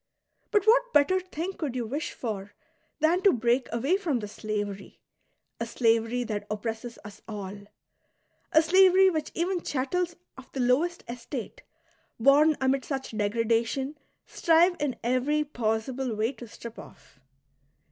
But what better thing could you wish for than to break away from this slavery, — a slavery that oppresses us all, a slaveiy which even chattels of the lowest estate, bom amid such degradation, strive in every possible way to strip off.''